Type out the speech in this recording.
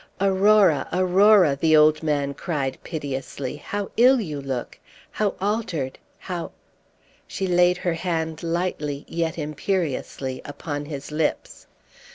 "Aurora, Aurora," the old man cried piteously, "how ill you look! how altered, how " She laid her hand lightly yet imperiously upon his lips.